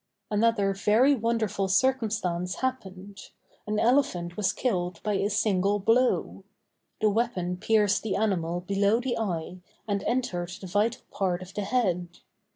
Another very wonderful circumstance happened; an elephant was killed by a single blow. The weapon pierced the animal below the eye, and entered the vital part of the head.